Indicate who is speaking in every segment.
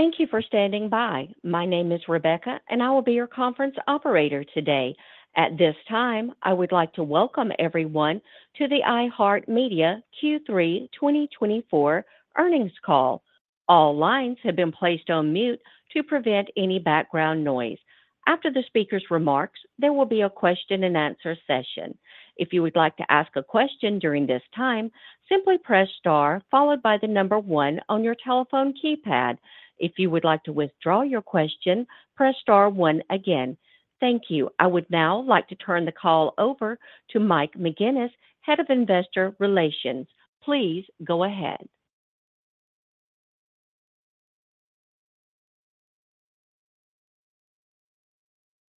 Speaker 1: Thank you for standing by. My name is Rebecca, and I will be your conference operator today. At this time, I would like to welcome everyone to the iHeartMedia Q3 2024 Earnings Call. All lines have been placed on mute to prevent any background noise. After the speaker's remarks, there will be a question-and-answer session. If you would like to ask a question during this time, simply press star followed by the number one on your telephone keypad. If you would like to withdraw your question, press star one again. Thank you. I would now like to turn the call over to Mike McGuinness, Head of Investor Relations. Please go ahead.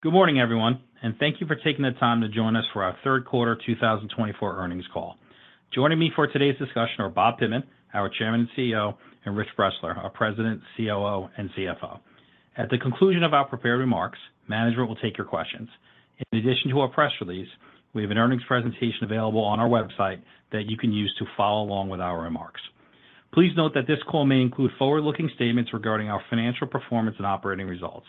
Speaker 2: Good morning, everyone, and thank you for taking the time to join us for our Q3 2024 Earnings Call. Joining me for today's discussion are Bob Pittman, our Chairman and CEO, and Rich Bressler, our President, COO, and CFO. At the conclusion of our prepared remarks, management will take your questions. In addition to our press release, we have an earnings presentation available on our website that you can use to follow along with our remarks. Please note that this call may include forward-looking statements regarding our financial performance and operating results.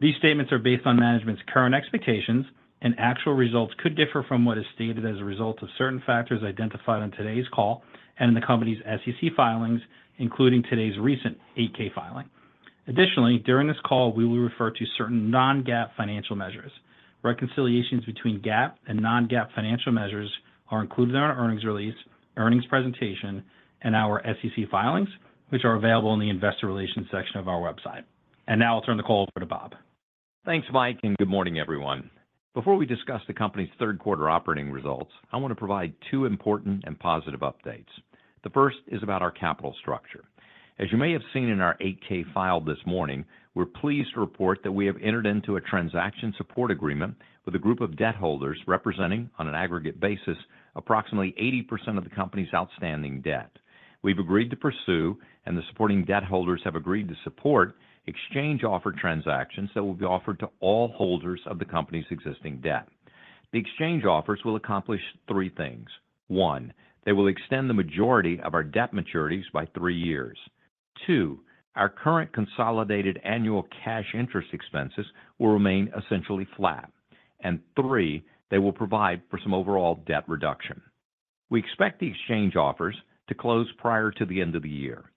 Speaker 2: These statements are based on management's current expectations, and actual results could differ from what is stated as a result of certain factors identified on today's call and in the company's SEC filings, including today's recent 8-K filing. Additionally, during this call, we will refer to certain non-GAAP financial measures. Reconciliations between GAAP and non-GAAP financial measures are included in our earnings release, earnings presentation, and our SEC filings, which are available in the Investor Relations section of our website. And now I'll turn the call over to Bob.
Speaker 3: Thanks, Mike, and good morning, everyone. Before we discuss the company's Q3 operating results, I want to provide two important and positive updates. The first is about our capital structure. As you may have seen in our 8-K filed this morning, we're pleased to report that we have entered into a transaction support agreement with a group of debt holders representing, on an aggregate basis, approximately 80% of the company's outstanding debt. We've agreed to pursue, and the supporting debt holders have agreed to support exchange-offer transactions that will be offered to all holders of the company's existing debt. The exchange offers will accomplish three things. One, they will extend the majority of our debt maturities by three years. Two, our current consolidated annual cash interest expenses will remain essentially flat. And three, they will provide for some overall debt reduction. We expect the exchange offers to close prior to the end of the year.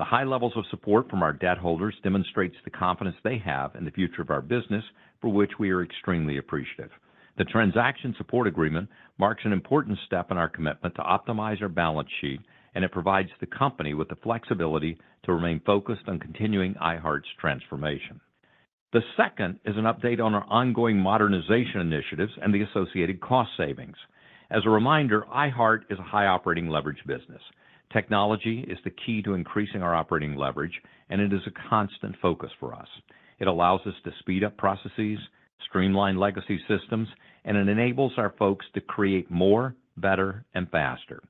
Speaker 3: The high levels of support from our debt holders demonstrate the confidence they have in the future of our business, for which we are extremely appreciative. The Transaction Support Agreement marks an important step in our commitment to optimize our balance sheet, and it provides the company with the flexibility to remain focused on continuing iHeart's transformation. The second is an update on our ongoing modernization initiatives and the associated cost savings. As a reminder, iHeart is a high operating leverage business. Technology is the key to increasing our operating leverage, and it is a constant focus for us. It allows us to speed up processes, streamline legacy systems, and it enables our folks to create more, better, and faster.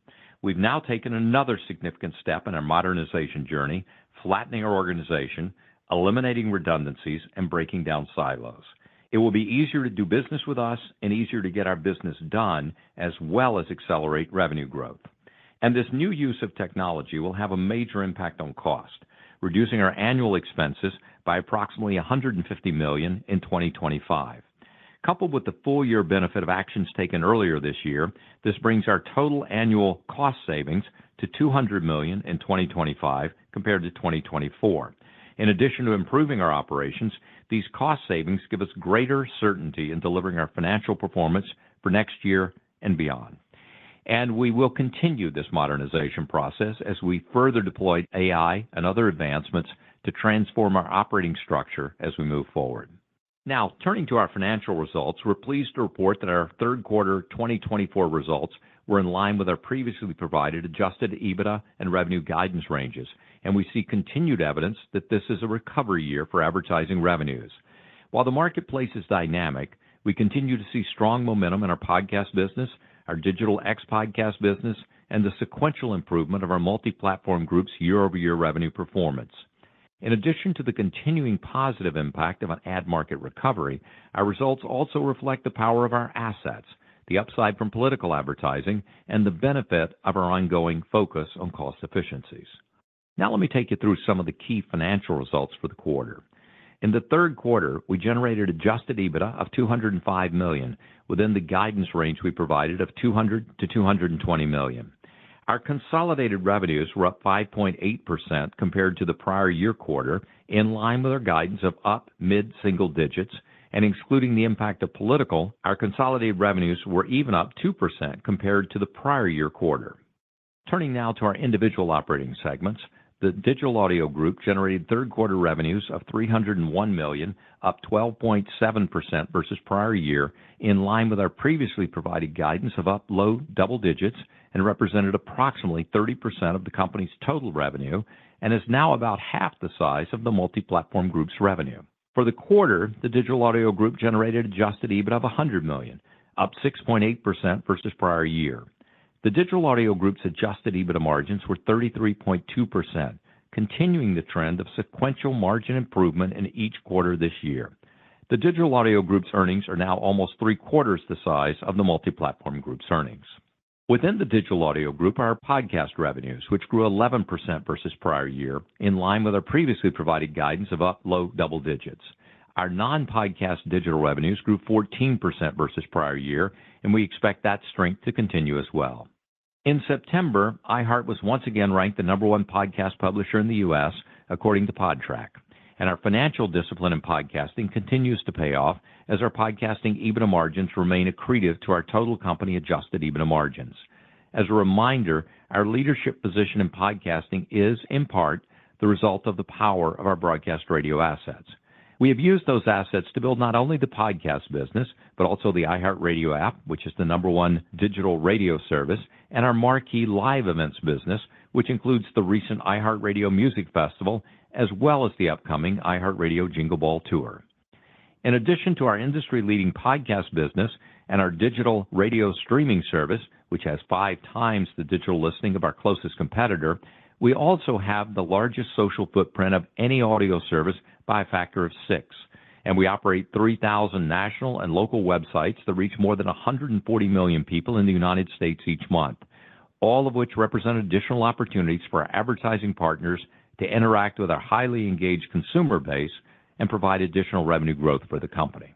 Speaker 3: We've now taken another significant step in our modernization journey, flattening our organization, eliminating redundancies, and breaking down silos. It will be easier to do business with us and easier to get our business done, as well as accelerate revenue growth. And this new use of technology will have a major impact on cost, reducing our annual expenses by approximately $150 million in 2025. Coupled with the full-year benefit of actions taken earlier this year, this brings our total annual cost savings to $200 million in 2025 compared to 2024. In addition to improving our operations, these cost savings give us greater certainty in delivering our financial performance for next year and beyond. And we will continue this modernization process as we further deploy AI and other advancements to transform our operating structure as we move forward. Now, turning to our financial results, we're pleased to report that our Q3 2024 results were in line with our previously provided Adjusted EBITDA and revenue guidance ranges, and we see continued evidence that this is a recovery year for advertising revenues. While the marketplace is dynamic, we continue to see strong momentum in our podcast business, our digital ex-podcast business, and the sequential improvement of our Multiplatform Group's year-over-year revenue performance. In addition to the continuing positive impact of an ad market recovery, our results also reflect the power of our assets, the upside from political advertising, and the benefit of our ongoing focus on cost efficiencies. Now, let me take you through some of the key financial results for the quarter. In the Q3, we generated Adjusted EBITDA of $205 million within the guidance range we provided of $200 million-$220 million. Our consolidated revenues were up 5.8% compared to the prior year quarter, in line with our guidance of up mid-single digits. And excluding the impact of political, our consolidated revenues were even up 2% compared to the prior year quarter. Turning now to our individual operating segments, the Digital Audio Group generated Q3 revenues of $301 million, up 12.7% versus prior year, in line with our previously provided guidance of up low double digits, and represented approximately 30% of the company's total revenue, and is now about half the size of the Multiplatform Group's revenue. For the quarter, the Digital Audio Group generated Adjusted EBITDA of $100 million, up 6.8% versus prior year. The Digital Audio Group's Adjusted EBITDA margins were 33.2%, continuing the trend of sequential margin improvement in each quarter this year. The Digital Audio Group's earnings are now almost three-quarters the size of the Multiplatform Group's earnings. Within the Digital Audio Group, our podcast revenues, which grew 11% versus prior year, in line with our previously provided guidance of up low double digits. Our non-podcast digital revenues grew 14% versus prior year, and we expect that strength to continue as well. In September, iHeart was once again ranked the number one podcast publisher in the U.S., according to Podtrac, and our financial discipline in podcasting continues to pay off, as our podcasting EBITDA margins remain accretive to our total company Adjusted EBITDA margins. As a reminder, our leadership position in podcasting is, in part, the result of the power of our broadcast radio assets. We have used those assets to build not only the podcast business, but also the iHeartRadio app, which is the number one digital radio service, and our marquee live events business, which includes the recent iHeartRadio Music Festival, as well as the upcoming iHeartRadio Jingle Ball Tour. In addition to our industry-leading podcast business and our digital radio streaming service, which has five times the digital listening of our closest competitor, we also have the largest social footprint of any audio service by a factor of six. And we operate 3,000 national and local websites that reach more than 140 million people in the United States each month, all of which represent additional opportunities for our advertising partners to interact with our highly engaged consumer base and provide additional revenue growth for the company.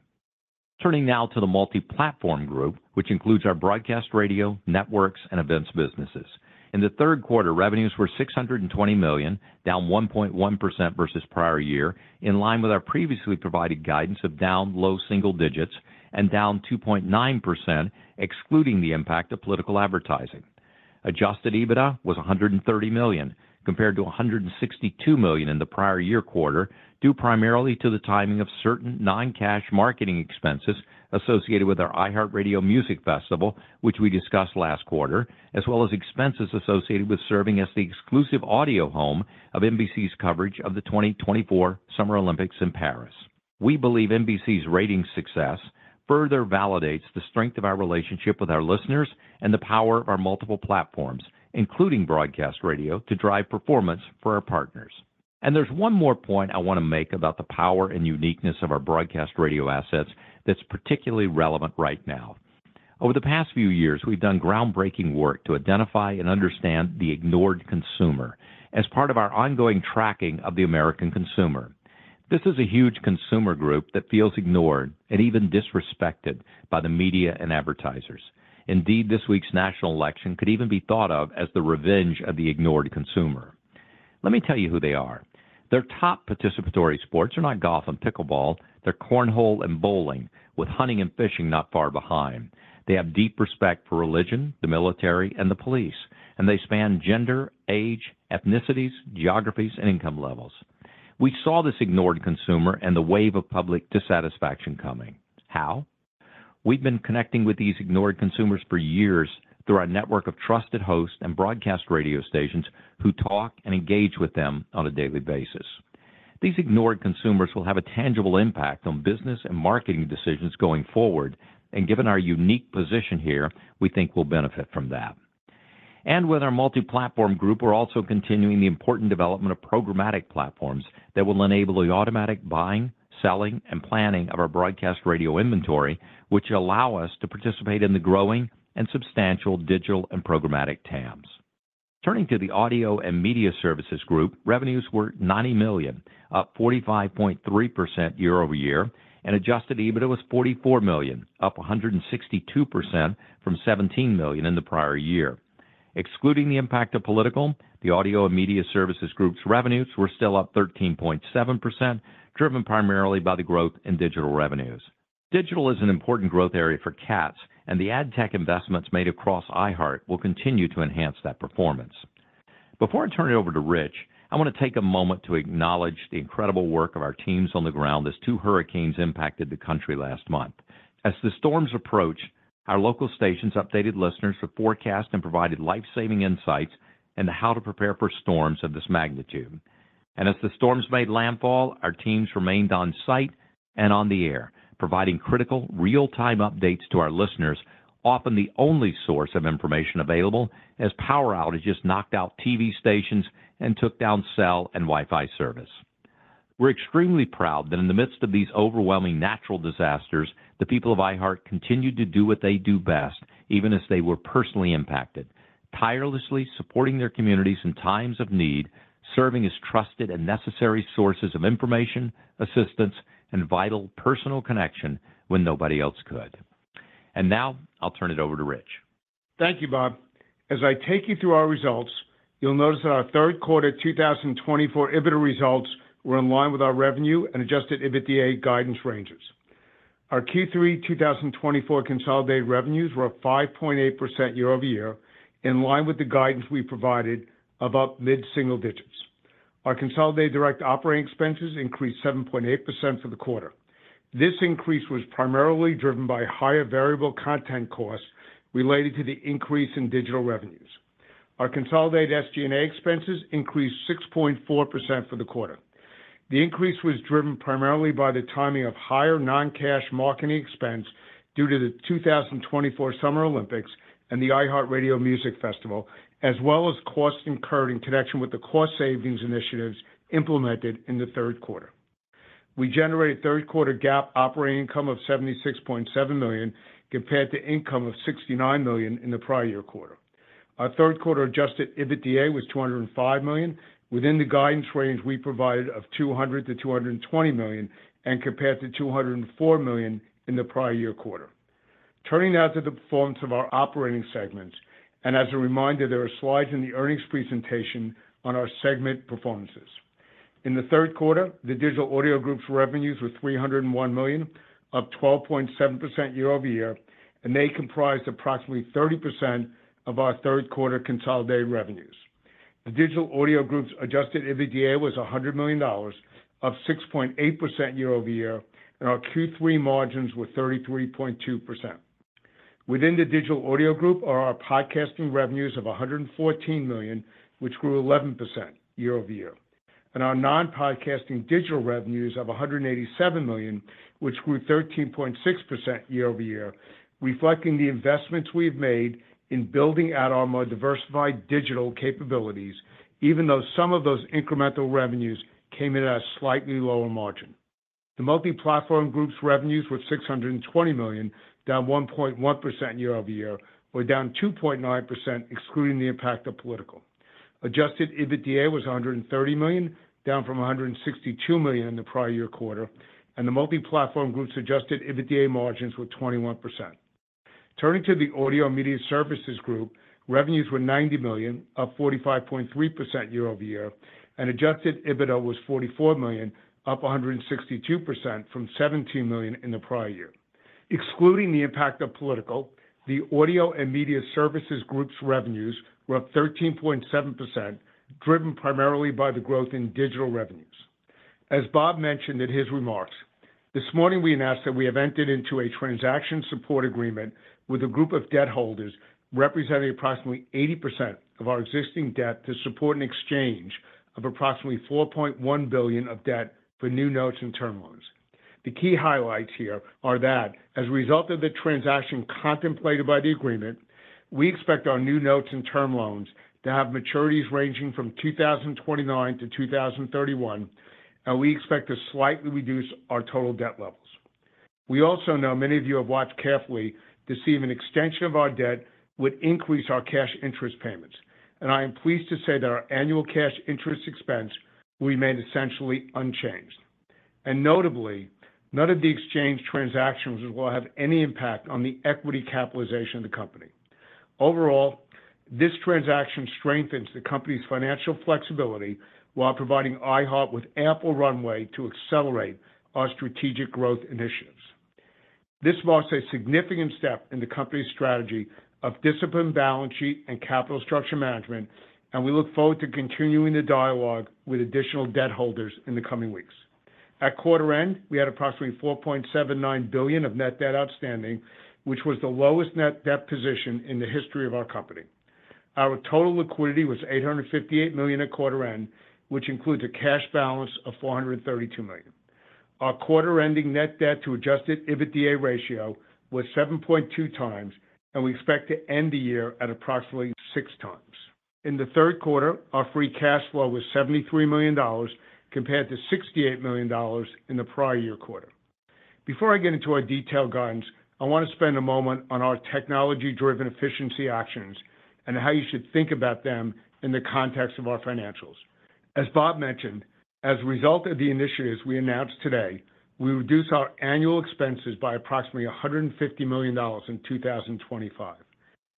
Speaker 3: Turning now to the Multiplatform Group, which includes our broadcast radio, networks, and events businesses. In the Q3, revenues were $620 million, down 1.1% versus prior year, in line with our previously provided guidance of down low single digits and down 2.9%, excluding the impact of political advertising. Adjusted EBITDA was $130 million, compared to $162 million in the prior year quarter, due primarily to the timing of certain non-cash marketing expenses associated with our iHeartRadio Music Festival, which we discussed last quarter, as well as expenses associated with serving as the exclusive audio home of NBC's coverage of the 2024 Summer Olympics in Paris. We believe NBC's rating success further validates the strength of our relationship with our listeners and the power of our multiple platforms, including broadcast radio, to drive performance for our partners. And there's one more point I want to make about the power and uniqueness of our broadcast radio assets that's particularly relevant right now. Over the past few years, we've done groundbreaking work to identify and understand the ignored consumer as part of our ongoing tracking of the American consumer. This is a huge consumer group that feels ignored and even disrespected by the media and advertisers. Indeed, this week's national election could even be thought of as the revenge of the ignored consumer. Let me tell you who they are. Their top participatory sports are not golf and pickleball. They're cornhole and bowling, with hunting and fishing not far behind. They have deep respect for religion, the military, and the police, and they span gender, age, ethnicities, geographies, and income levels. We saw this ignored consumer and the wave of public dissatisfaction coming. How? We've been connecting with these ignored consumers for years through our network of trusted hosts and broadcast radio stations who talk and engage with them on a daily basis. These ignored consumers will have a tangible impact on business and marketing decisions going forward, and given our unique position here, we think we'll benefit from that. And with our Multiplatform Group, we're also continuing the important development of programmatic platforms that will enable the automatic buying, selling, and planning of our broadcast radio inventory, which allow us to participate in the growing and substantial digital and programmatic TAMs. Turning to the Audio and Media Services Group, revenues were $90 million, up 45.3% year-over-year, and Adjusted EBITDA was $44 million, up 162% from $17 million in the prior year. Excluding the impact of political, the Audio and Media Services Group's revenues were still up 13.7%, driven primarily by the growth in digital revenues. Digital is an important growth area for us, and the ad tech investments made across iHeart will continue to enhance that performance. Before I turn it over to Rich, I want to take a moment to acknowledge the incredible work of our teams on the ground as two hurricanes impacted the country last month. As the storms approached, our local stations updated listeners with forecasts and provided lifesaving insights into how to prepare for storms of this magnitude. And as the storms made landfall, our teams remained on site and on the air, providing critical real-time updates to our listeners, often the only source of information available, as power outages knocked out TV stations and took down cell and Wi-Fi service. We're extremely proud that in the midst of these overwhelming natural disasters, the people of iHeart continued to do what they do best, even as they were personally impacted, tirelessly supporting their communities in times of need, serving as trusted and necessary sources of information, assistance, and vital personal connection when nobody else could, and now, I'll turn it over to Rich.
Speaker 4: Thank you, Bob. As I take you through our results, you'll notice that our Q3 2024 EBITDA results were in line with our revenue and Adjusted EBITDA guidance ranges. Our Q3 2024 consolidated revenues were up 5.8% year-over-year, in line with the guidance we provided of up mid-single digits. Our consolidated direct operating expenses increased 7.8% for the quarter. This increase was primarily driven by higher variable content costs related to the increase in digital revenues. Our consolidated SG&A expenses increased 6.4% for the quarter. The increase was driven primarily by the timing of higher non-cash marketing expense due to the 2024 Summer Olympics and the iHeartRadio Music Festival, as well as costs incurred in connection with the cost savings initiatives implemented in the Q3. We generated Q3 GAAP operating income of $76.7 million compared to income of $69 million in the prior year quarter. Our Q3 Adjusted EBITDA was $205 million, within the guidance range we provided of $200 million-$220 million, and compared to $204 million in the prior year quarter. Turning now to the performance of our operating segments, and as a reminder, there are slides in the earnings presentation on our segment performances. In the Q3, the Digital Audio Group's revenues were $301 million, up 12.7% year-over-year, and they comprised approximately 30% of our Q3 consolidated revenues. The Digital Audio Group's Adjusted EBITDA was $100 million, up 6.8% year-over-year, and our Q3 margins were 33.2%. Within the Digital Audio Group are our podcasting revenues of $114 million, which grew 11% year-over-year, and our non-podcasting digital revenues of $187 million, which grew 13.6% year-over-year, reflecting the investments we've made in building out our more diversified digital capabilities, even though some of those incremental revenues came in at a slightly lower margin. The Multiplatform Group's revenues were $620 million, down 1.1% year-over-year, or down 2.9%, excluding the impact of political. Adjusted EBITDA was $130 million, down from $162 million in the prior year quarter, and the Multiplatform Group's Adjusted EBITDA margins were 21%. Turning to the Audio and Media Services Group, revenues were $90 million, up 45.3% year-over-year, and Adjusted EBITDA was $44 million, up 162% from $17 million in the prior year. Excluding the impact of political, the Audio and Media Services Group's revenues were up 13.7%, driven primarily by the growth in digital revenues. As Bob mentioned in his remarks, this morning we announced that we have entered into a Transaction Support Agreement with a group of debt holders representing approximately 80% of our existing debt to support an exchange of approximately $4.1 billion of debt for new notes and term loans. The key highlights here are that, as a result of the transaction contemplated by the agreement, we expect our new notes and term loans to have maturities ranging from 2029 to 2031, and we expect to slightly reduce our total debt levels. We also know many of you have watched carefully to see if an extension of our debt would increase our cash interest payments, and I am pleased to say that our annual cash interest expense will remain essentially unchanged, and notably, none of the exchange transactions will have any impact on the equity capitalization of the company. Overall, this transaction strengthens the company's financial flexibility while providing iHeart with ample runway to accelerate our strategic growth initiatives. This marks a significant step in the company's strategy of disciplined balance sheet and capital structure management, and we look forward to continuing the dialogue with additional debt holders in the coming weeks. At quarter end, we had approximately $4.79 billion of net debt outstanding, which was the lowest net debt position in the history of our company. Our total liquidity was $858 million at quarter end, which includes a cash balance of $432 million. Our quarter-ending net debt to Adjusted EBITDA ratio was 7.2 times, and we expect to end the year at approximately 6 times. In the Q3, our Free Cash Flow was $73 million compared to $68 million in the prior year quarter. Before I get into our detailed guidance, I want to spend a moment on our technology-driven efficiency actions and how you should think about them in the context of our financials. As Bob mentioned, as a result of the initiatives we announced today, we reduced our annual expenses by approximately $150 million in 2025.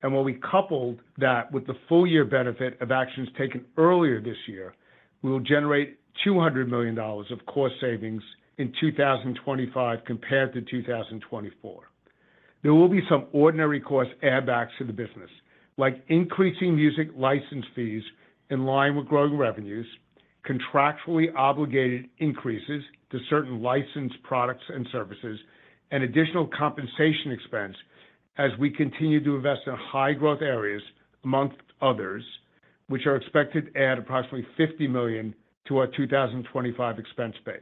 Speaker 4: And when we coupled that with the full-year benefit of actions taken earlier this year, we will generate $200 million of cost savings in 2025 compared to 2024. There will be some ordinary costs add-backs to the business, like increasing music license fees in line with growing revenues, contractually obligated increases to certain licensed products and services, and additional compensation expense as we continue to invest in high-growth areas, among others, which are expected to add approximately $50 million to our 2025 expense base.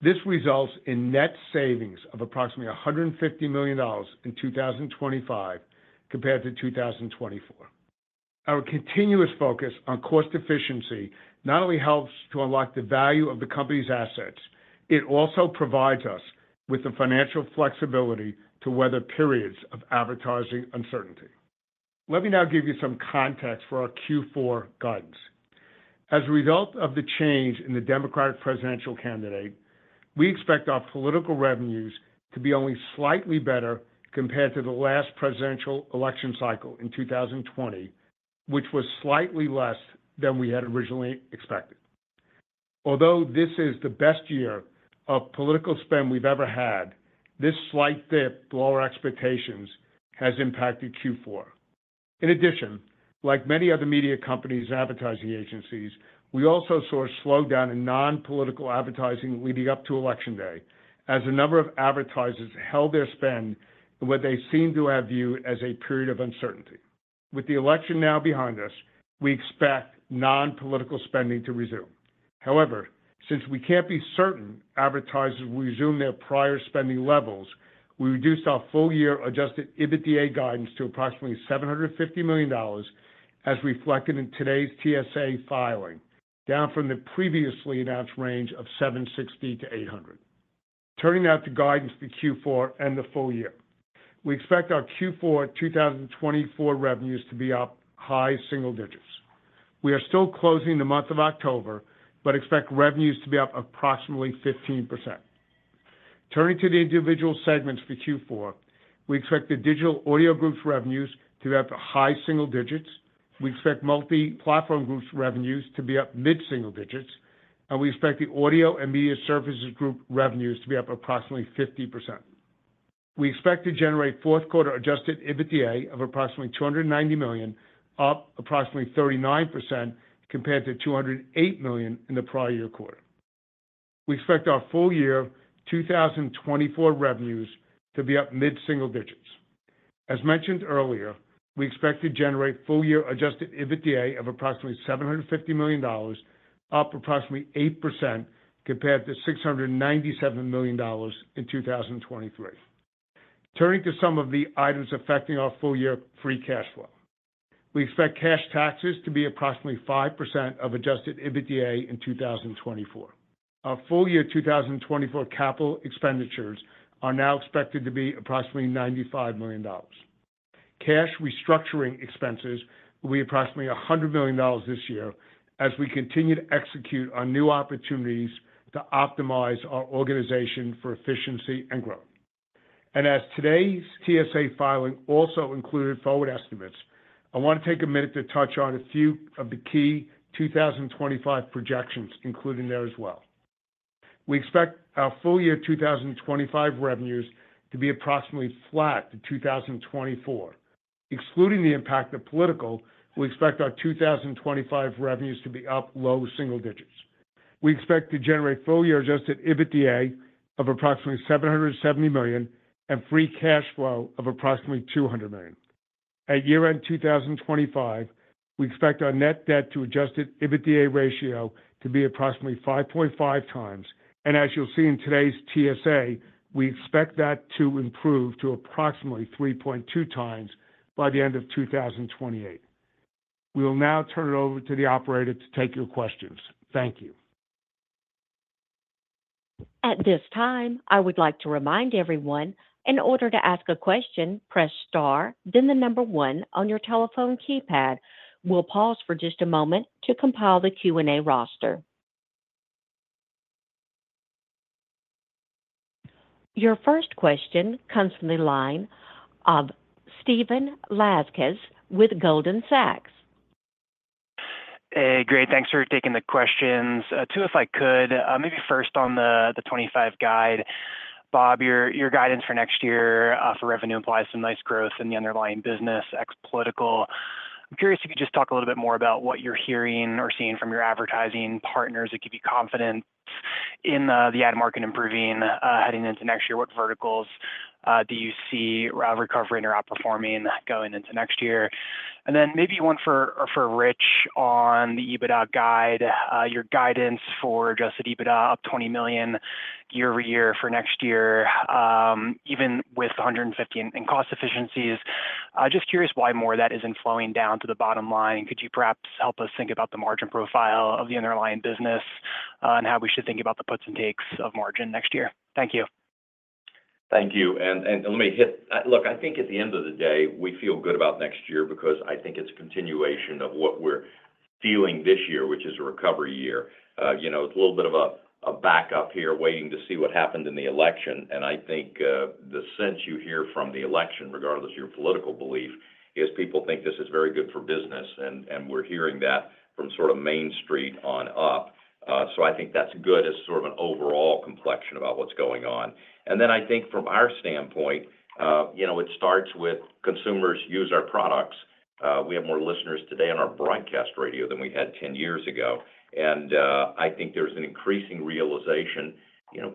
Speaker 4: This results in net savings of approximately $150 million in 2025 compared to 2024. Our continuous focus on cost efficiency not only helps to unlock the value of the company's assets, it also provides us with the financial flexibility to weather periods of advertising uncertainty. Let me now give you some context for our Q4 guidance. As a result of the change in the Democratic presidential candidate, we expect our political revenues to be only slightly better compared to the last presidential election cycle in 2020, which was slightly less than we had originally expected. Although this is the best year of political spend we've ever had, this slight dip below our expectations has impacted Q4. In addition, like many other media companies and advertising agencies, we also saw a slowdown in non-political advertising leading up to election day, as a number of advertisers held their spend in what they seem to have viewed as a period of uncertainty. With the election now behind us, we expect non-political spending to resume. However, since we can't be certain advertisers will resume their prior spending levels, we reduced our full-year Adjusted EBITDA guidance to approximately $750 million, as reflected in today's TSA filing, down from the previously announced range of $760 million-$800 million. Turning now to guidance for Q4 and the full year, we expect our Q4 2024 revenues to be up high single digits. We are still closing the month of October but expect revenues to be up approximately 15%. Turning to the individual segments for Q4, we expect the Digital Audio Group's revenues to be up high single digits. We expect Multiplatform Group's revenues to be up mid-single digits, and we expect the Audio and Media Services Group revenues to be up approximately 50%. We expect to generate Q4 Adjusted EBITDA of approximately $290 million, up approximately 39% compared to $208 million in the prior year quarter. We expect our full-year 2024 revenues to be up mid-single digits. As mentioned earlier, we expect to generate full-year Adjusted EBITDA of approximately $750 million, up approximately 8% compared to $697 million in 2023. Turning to some of the items affecting our full-year Free Cash Flow, we expect cash taxes to be approximately 5% of Adjusted EBITDA in 2024. Our full-year 2024 capital expenditures are now expected to be approximately $95 million. Cash restructuring expenses will be approximately $100 million this year, as we continue to execute on new opportunities to optimize our organization for efficiency and growth, and as today's TSA filing also included forward estimates, I want to take a minute to touch on a few of the key 2025 projections included there as well. We expect our full-year 2025 revenues to be approximately flat to 2024. Excluding the impact of political, we expect our 2025 revenues to be up low single digits. We expect to generate full-year Adjusted EBITDA of approximately $770 million and free cash flow of approximately $200 million. At year-end 2025, we expect our net debt to Adjusted EBITDA ratio to be approximately 5.5 times, and as you'll see in today's TSA, we expect that to improve to approximately 3.2 times by the end of 2028. We will now turn it over to the operator to take your questions. Thank you.
Speaker 1: At this time, I would like to remind everyone, in order to ask a question, press star, then the number one on your telephone keypad. We'll pause for just a moment to compile the Q&A roster. Your first question comes from the line of Stephen Laszczyk with Goldman Sachs.
Speaker 5: Hey, great, thanks for taking the questions. Two, if I could, maybe first on the 2025 guide. Bob, your guidance for next year for revenue implies some nice growth in the underlying business, ex-political. I'm curious if you could just talk a little bit more about what you're hearing or seeing from your advertising partners that give you confidence in the ad market improving heading into next year. What verticals do you see recovering or outperforming going into next year? And then maybe one for Rich on the Adjusted EBITDA guide, your guidance for Adjusted EBITDA up $20 million year-over-year for next year, even with $150 in cost efficiencies. Just curious why more of that isn't flowing down to the bottom line. Could you perhaps help us think about the margin profile of the underlying business and how we should think about the puts and takes of margin next year? Thank you.
Speaker 3: Thank you. And let me hit, look, I think at the end of the day, we feel good about next year because I think it's a continuation of what we're feeling this year, which is a recovery year. It's a little bit of a backup here, waiting to see what happened in the election. And I think the sense you hear from the election, regardless of your political belief, is people think this is very good for business, and we're hearing that from sort of Main Street on up. So I think that's good as sort of an overall complexion about what's going on. And then I think from our standpoint, it starts with consumers use our products. We have more listeners today on our broadcast radio than we had 10 years ago. And I think there's an increasing realization,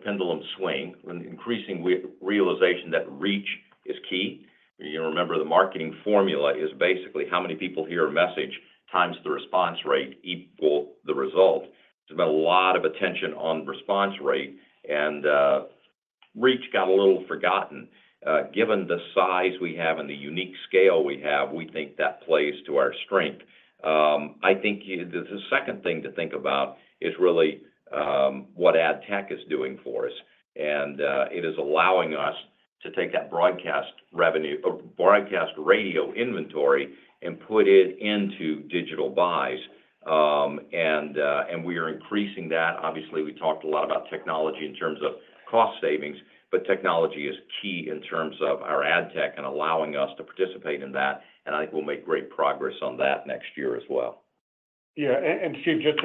Speaker 3: pendulum swing, increasing realization that reach is key. You remember the marketing formula is basically how many people hear a message times the response rate equal the result. There's been a lot of attention on response rate, and reach got a little forgotten. Given the size we have and the unique scale we have, we think that plays to our strength. I think the second thing to think about is really what ad tech is doing for us, and it is allowing us to take that broadcast revenue, broadcast radio inventory, and put it into digital buys, and we are increasing that. Obviously, we talked a lot about technology in terms of cost savings, but technology is key in terms of our ad tech and allowing us to participate in that, and I think we'll make great progress on that next year as well.
Speaker 4: Yeah. And Steve, just to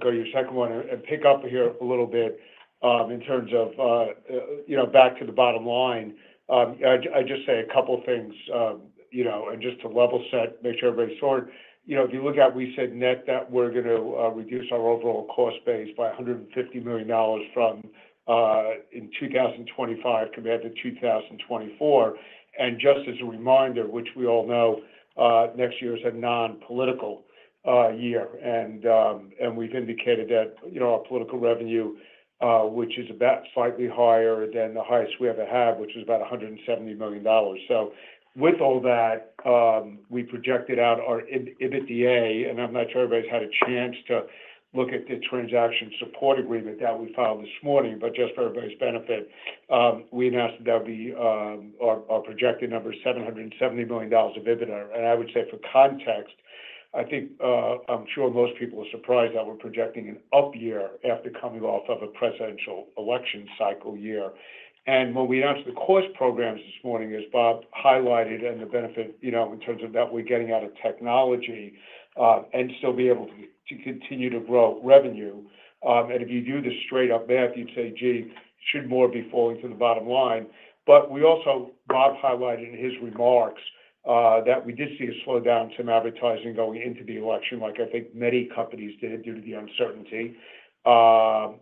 Speaker 4: go to your second one and pick up here a little bit in terms of back to the bottom line, I just say a couple of things and just to level set, make sure everybody's sorted. If you look at, we said net that we're going to reduce our overall cost base by $150 million from in 2025 compared to 2024. And just as a reminder, which we all know, next year is a non-political year. And we've indicated that our political revenue, which is about slightly higher than the highest we ever had, which was about $170 million. So with all that, we projected out our EBITDA, and I'm not sure everybody's had a chance to look at the transaction support agreement that we filed this morning, but just for everybody's benefit, we announced that that would be our projected number, $770 million of EBITDA. And I would say for context, I think I'm sure most people are surprised that we're projecting an up year after coming off of a presidential election cycle year. And when we announced the cost programs this morning, as Bob highlighted, and the benefit in terms of that we're getting out of technology and still be able to continue to grow revenue. And if you do the straight-up math, you'd say, "Gee, should more be falling to the bottom line?" But we also, Bob highlighted in his remarks that we did see a slowdown to advertising going into the election, like I think many companies did due to the uncertainty.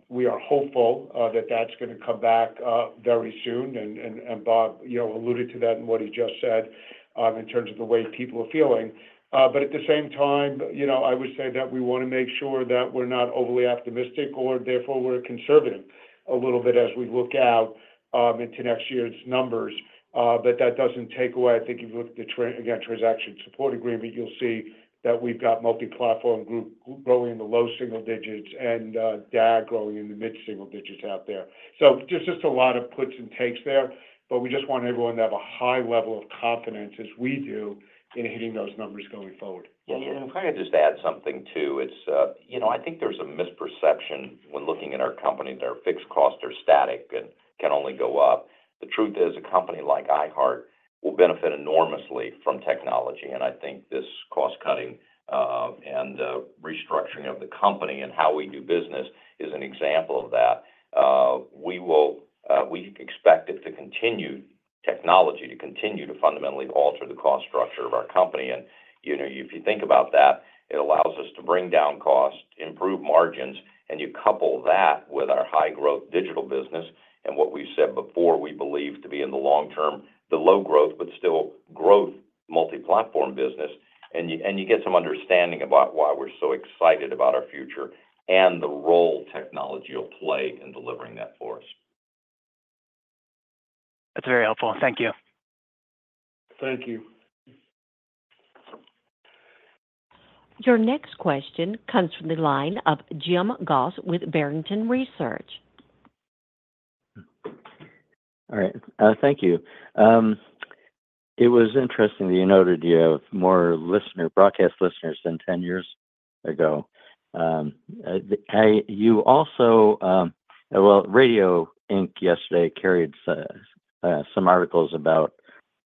Speaker 4: We are hopeful that that's going to come back very soon. And Bob alluded to that in what he just said in terms of the way people are feeling. But at the same time, I would say that we want to make sure that we're not overly optimistic or therefore we're conservative a little bit as we look out into next year's numbers. But that doesn't take away, I think if you look at the Transaction Support Agreement, you'll see that we've got Multiplatform Group growing in the low single digits and DAG growing in the mid-single digits out there. So there's just a lot of puts and takes there, but we just want everyone to have a high level of confidence, as we do, in hitting those numbers going forward.
Speaker 3: And if I could just add something too, it's, I think, there's a misperception when looking at our company that our fixed costs are static and can only go up. The truth is a company like iHeart will benefit enormously from technology. And I think this cost-cutting and restructuring of the company and how we do business is an example of that. We expect technology to continue to fundamentally alter the cost structure of our company. And if you think about that, it allows us to bring down costs, improve margins, and you couple that with our high-growth digital business and what we said before we believe to be in the long term, the low-growth but still growth multi-platform business. And you get some understanding about why we're so excited about our future and the role technology will play in delivering that for us.
Speaker 5: That's very helpful. Thank you.
Speaker 4: Thank you.
Speaker 1: Your next question comes from the line of Jim Goss with Barrington Research.
Speaker 6: All right. Thank you. It was interesting that you noted you have more broadcast listeners than 10 years ago. Radio Ink yesterday carried some articles about,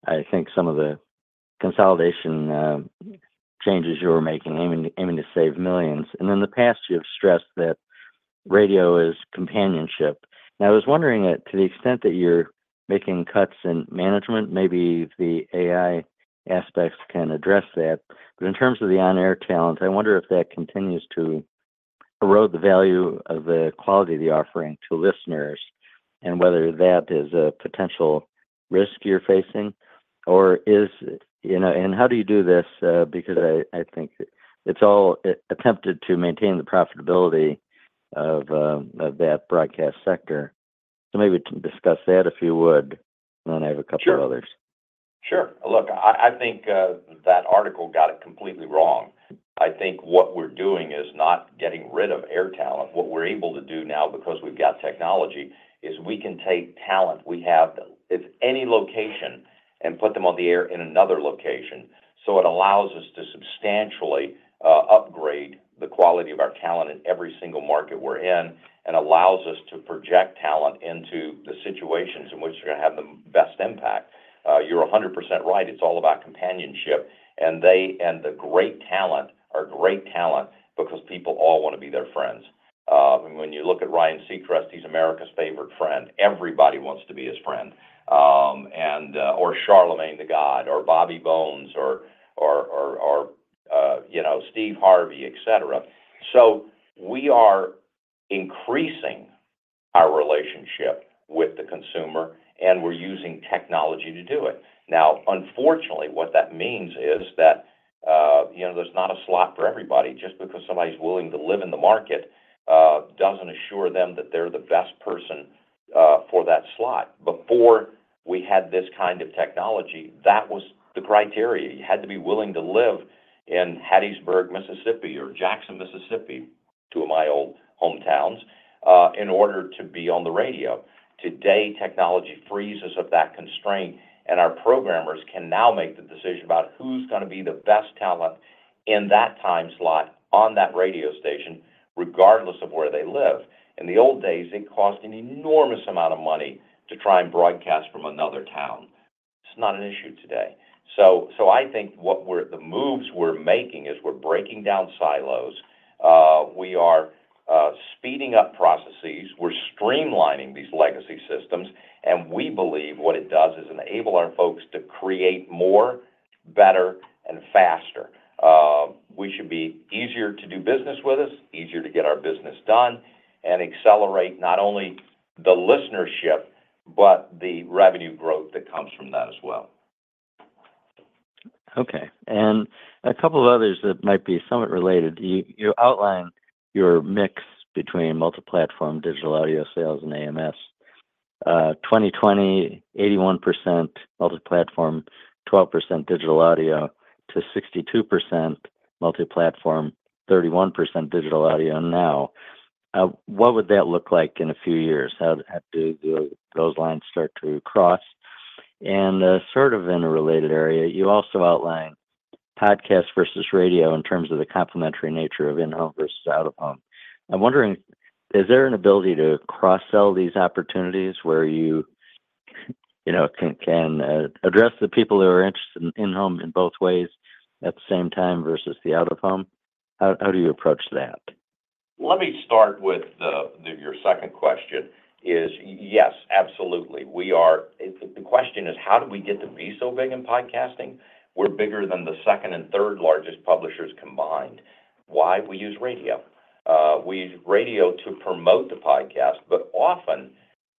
Speaker 6: I think, some of the consolidation changes you were making, aiming to save millions, and in the past, you've stressed that radio is companionship. Now, I was wondering to the extent that you're making cuts in management, maybe the AI aspects can address that, but in terms of the on-air talent, I wonder if that continues to erode the value of the quality of the offering to listeners and whether that is a potential risk you're facing, or is it and how do you do this? Because I think it's all attempted to maintain the profitability of that broadcast sector. Maybe discuss that if you would, and then I have a couple of others.
Speaker 3: Sure. Look, I think that article got it completely wrong. I think what we're doing is not getting rid of air talent. What we're able to do now because we've got technology is we can take talent we have at any location and put them on the air in another location. So it allows us to substantially upgrade the quality of our talent in every single market we're in and allows us to project talent into the situations in which they're going to have the best impact. You're 100% right. It's all about companionship. And the great talent are great talent because people all want to be their friends. And when you look at Ryan Seacrest, he's America's favorite friend. Everybody wants to be his friend, or Charlamagne Tha God, or Bobby Bones, or Steve Harvey, etc. So we are increasing our relationship with the consumer, and we're using technology to do it. Now, unfortunately, what that means is that there's not a slot for everybody. Just because somebody's willing to live in the market doesn't assure them that they're the best person for that slot. Before we had this kind of technology, that was the criteria. You had to be willing to live in Hattiesburg, Mississippi, or Jackson, Mississippi, two of my old hometowns, in order to be on the radio. Today, technology frees us of that constraint, and our programmers can now make the decision about who's going to be the best talent in that time slot on that radio station, regardless of where they live. In the old days, it cost an enormous amount of money to try and broadcast from another town. It's not an issue today. So I think the moves we're making is we're breaking down silos. We are speeding up processes. We're streamlining these legacy systems. And we believe what it does is enable our folks to create more, better, and faster. We should be easier to do business with us, easier to get our business done, and accelerate not only the listenership but the revenue growth that comes from that as well.
Speaker 6: Okay. And a couple of others that might be somewhat related. You outlined your mix between multi-platform digital audio sales and AMS. 2020, 81% multi-platform, 12% digital audio to 62% multi-platform, 31% digital audio now. What would that look like in a few years? How do those lines start to cross? And sort of in a related area, you also outlined podcast versus radio in terms of the complementary nature of in-home versus out-of-home. I'm wondering, is there an ability to cross-sell these opportunities where you can address the people who are interested in in-home in both ways at the same time versus the out-of-home? How do you approach that?
Speaker 3: Let me start with your second question: yes, absolutely. The question is, how do we get to be so big in podcasting? We're bigger than the second and third largest publishers combined. Why? We use radio. We use radio to promote the podcast, but often,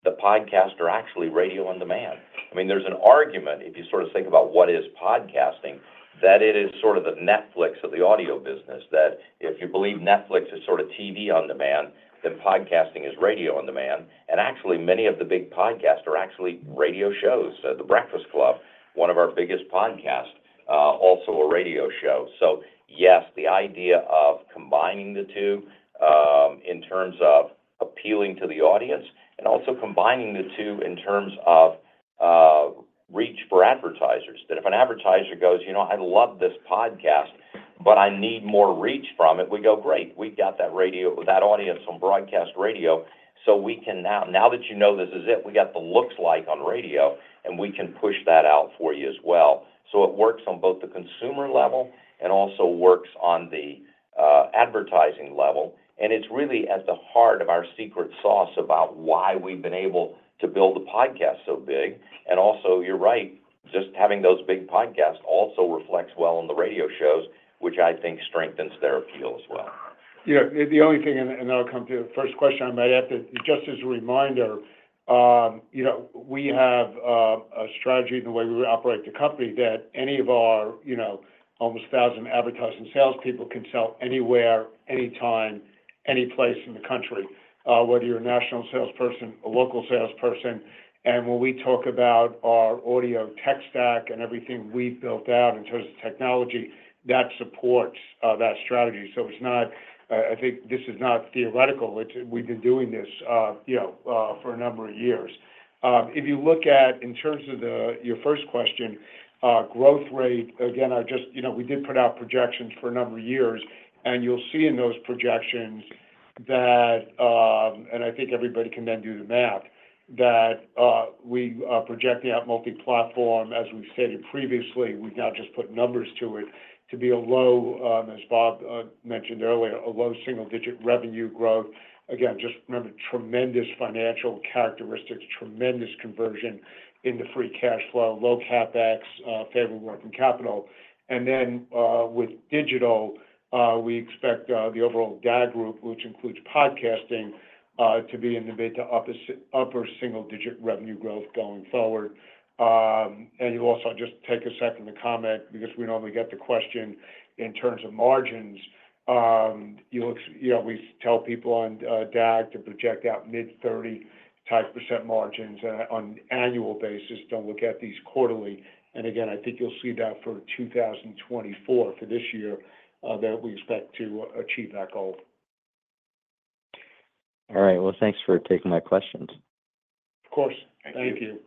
Speaker 3: the podcasts are actually radio on demand. I mean, there's an argument, if you sort of think about what is podcasting, that it is sort of the Netflix of the audio business, that if you believe Netflix is sort of TV on demand, then podcasting is radio on demand. And actually, many of the big podcasts are actually radio shows. The Breakfast Club, one of our biggest podcasts, also a radio show. So yes, the idea of combining the two in terms of appealing to the audience and also combining the two in terms of reach for advertisers. That if an advertiser goes, "I love this podcast, but I need more reach from it," we go, "Great. We've got that audience on broadcast radio. So now that you know this is it, we've got the look-alikes on radio, and we can push that out for you as well." So it works on both the consumer level and also works on the advertising level. And it's really at the heart of our secret sauce about why we've been able to build the podcast so big. And also, you're right, just having those big podcasts also reflects well on the radio shows, which I think strengthens their appeal as well.
Speaker 4: Yeah. The only thing, and I'll come to your first question, I might add that just as a reminder, we have a strategy in the way we operate the company that any of our almost 1,000 advertising salespeople can sell anywhere, anytime, any place in the country, whether you're a national salesperson, a local salesperson. And when we talk about our audio tech stack and everything we've built out in terms of technology, that supports that strategy. So I think this is not theoretical. We've been doing this for a number of years. If you look at, in terms of your first question, growth rate, again, we did put out projections for a number of years. And you'll see in those projections that, and I think everybody can then do the math, that we are projecting out multi-platform, as we've stated previously. We've now just put numbers to it to be a low, as Bob mentioned earlier, a low single-digit revenue growth. Again, just remember, tremendous financial characteristics, tremendous conversion in the free cash flow, low CapEx, favorable working capital. And then with digital, we expect the overall DAG group, which includes podcasting, to be in the mid to upper single-digit revenue growth going forward. And you also just take a second to comment because we normally get the question in terms of margins. We tell people on DAG to project out mid-30 type % margins on an annual basis. Don't look at these quarterly. And again, I think you'll see that for 2024, for this year, that we expect to achieve that goal.
Speaker 6: All right. Well, thanks for taking my questions.
Speaker 4: Of course. Thank you.
Speaker 3: Thank you.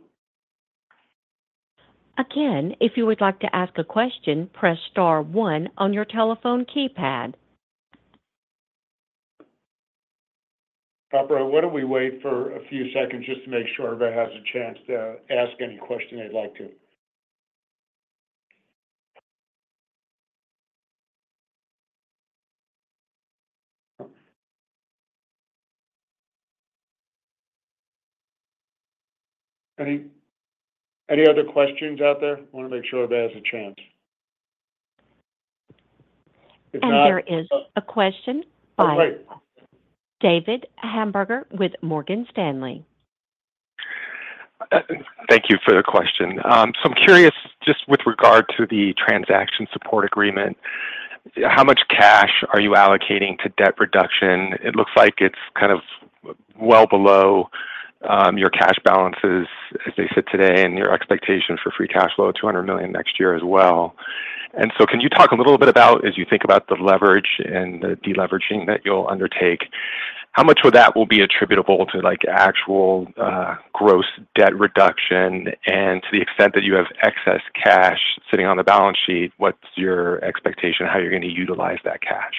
Speaker 1: Again, if you would like to ask a question, press star 1 on your telephone keypad.
Speaker 4: Bob, why don't we wait for a few seconds just to make sure everybody has a chance to ask any question they'd like to? Any other questions out there? I want to make sure everybody has a chance. If not.
Speaker 1: There is a question by David Hamburger with Morgan Stanley.
Speaker 7: Thank you for the question. So I'm curious, just with regard to the transaction support agreement, how much cash are you allocating to debt reduction? It looks like it's kind of well below your cash balances, as they sit today, and your expectation for free cash flow of $200 million next year as well. And so can you talk a little bit about, as you think about the leverage and the deleveraging that you'll undertake, how much of that will be attributable to actual gross debt reduction and to the extent that you have excess cash sitting on the balance sheet? What's your expectation of how you're going to utilize that cash?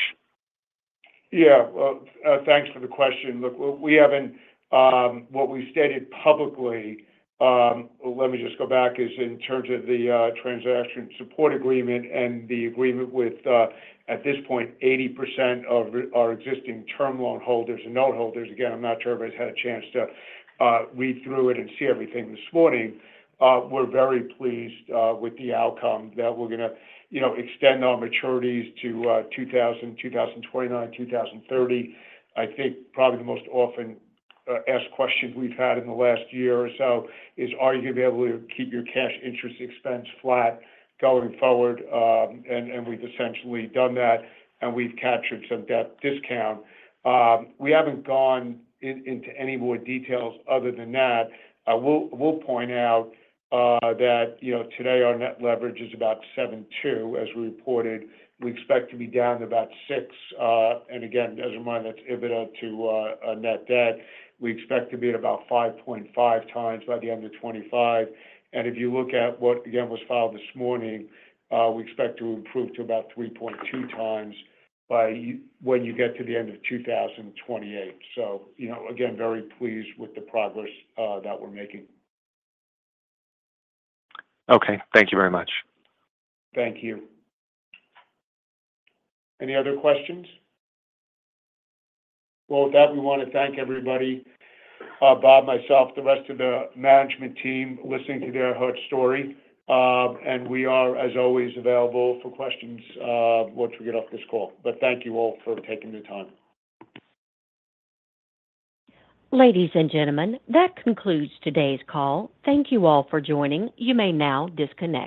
Speaker 4: Yeah. Well, thanks for the question. Look, what we stated publicly, let me just go back, is in terms of the transaction support agreement and the agreement with, at this point, 80% of our existing term loan holders and note holders. Again, I'm not sure everybody's had a chance to read through it and see everything this morning. We're very pleased with the outcome that we're going to extend our maturities to 2029, 2030. I think probably the most often asked question we've had in the last year or so is, "Are you going to be able to keep your cash interest expense flat going forward?" And we've essentially done that, and we've captured some debt discount. We haven't gone into any more details other than that. We'll point out that today our net leverage is about 7.2, as we reported. We expect to be down to about 6. And again, as a reminder, that's EBITDA to net debt. We expect to be at about 5.5 times by the end of 2025. And if you look at what, again, was filed this morning, we expect to improve to about 3.2 times by when you get to the end of 2028. So again, very pleased with the progress that we're making.
Speaker 7: Okay. Thank you very much.
Speaker 4: Thank you. Any other questions? Well, with that, we want to thank everybody: Bob, myself, the rest of the management team listening to their iHeart story. And we are, as always, available for questions once we get off this call. But thank you all for taking the time.
Speaker 1: Ladies and gentlemen, that concludes today's call. Thank you all for joining. You may now disconnect.